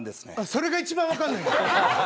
それが一番分かんない。